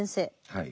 はい。